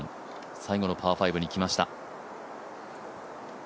最後のパー５に来ました。